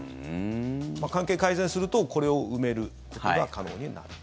関係改善するとこれを埋めることが可能になると。